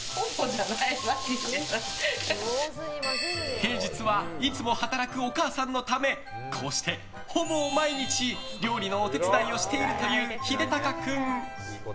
平日はいつも働くお母さんのためこうしてほぼ毎日料理のお手伝いをしているという秀鷹君。